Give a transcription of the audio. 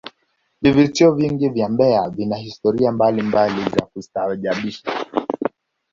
vivutio vingi vya mbeya vina historia mbalimbali za kustaajabisha